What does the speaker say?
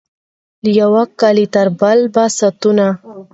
له یوه کلي تر بل به ساعتونه